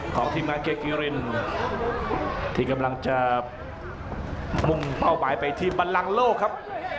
ของทีมงานเกกิรินที่กำลังจะมุ่งเป้าหมายไปที่บันลังโลกครับ